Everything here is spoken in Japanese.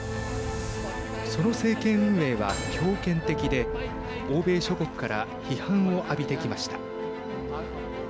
その政権運営は強権的で欧米諸国から批判を浴びてきました。